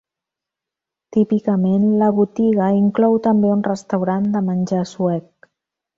Típicament, la botiga inclou també un restaurant de menjar suec.